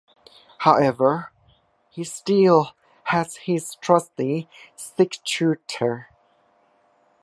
However, he still has his trusty six-shooter.